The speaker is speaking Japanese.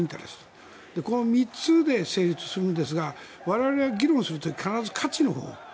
この３つで成立するんですが我々が議論する時は必ず勝ちのほう。